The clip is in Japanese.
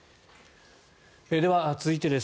では、続いてです。